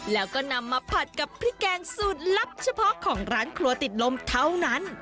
แล้วก็นำมาผัดกับพริกแกงสูตรลับเฉพาะของร้านครัวติดลมเท่านั้น